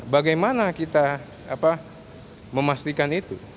bagaimana kita memastikan itu